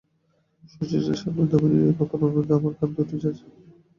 শচীশের সামনে দামিনীর এইপ্রকার অনুরোধে আমার কান দুটো ঝাঁ ঝাঁ করিতে লাগিল।